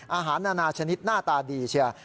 อาหารนานาชนิดหน้าตาดีเชียว